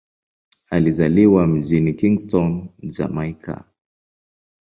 Alizaliwa mjini Kingston, Jamaika.